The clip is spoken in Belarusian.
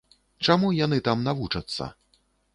Чаму яны там навучацца?